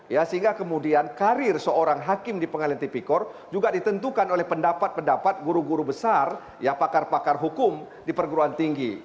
ya sehingga kemudian karir seorang hakim di pengadilan tipikor juga ditentukan oleh pendapat pendapat guru guru besar ya pakar pakar hukum di perguruan tinggi